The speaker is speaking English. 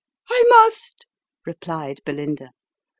" I must," replied Belinda.